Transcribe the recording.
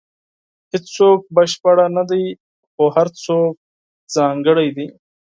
• هیڅوک بشپړ نه دی، خو هر څوک ځانګړی دی.